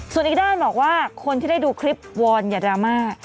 ส่วนอีกด้านบอกว่าคนที่ได้ดูคลิปวอนอย่าดราม่า